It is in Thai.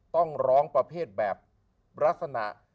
ต้องร้องประเภทแบบลักษณะ